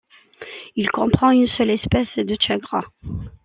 Il comprend une seule espèce de tchagras.